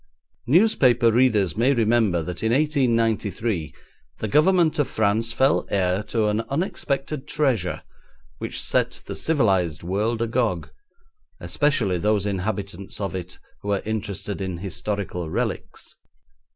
Newspaper readers may remember that in 1893 the Government of France fell heir to an unexpected treasure which set the civilised world agog, especially those inhabitants of it who are interested in historical relics.